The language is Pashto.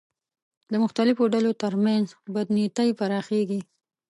د مختلفو ډلو تر منځ بدنیتۍ پراخېږي